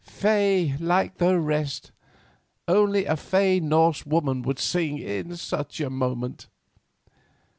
Fey like the rest—only a fey Norse woman would sing in such a moment."